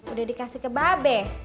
udah dikasih ke babe